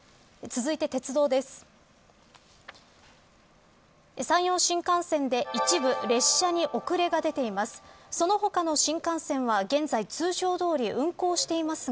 続いて鉄道です。